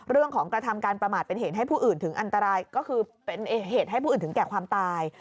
กระทำการประมาทเป็นเหตุให้ผู้อื่นถึงอันตรายก็คือเป็นเหตุให้ผู้อื่นถึงแก่ความตาย